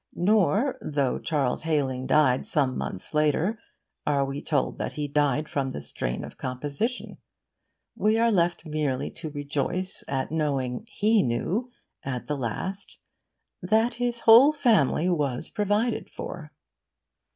Nor, though Charles Hailing died some months later, are we told that he died from the strain of composition. We are left merely to rejoice at knowing he knew at the last 'that his whole family was provided for.